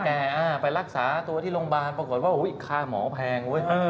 ค่าพอแก่ไปรักษาตัวที่โรงพยาบาลปรากฏว่าค่าหมอแพง